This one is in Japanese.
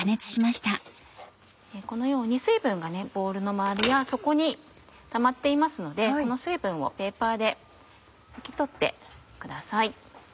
このように水分がボウルの周りや底にたまっていますのでこの水分をペーパーで拭き取ってください。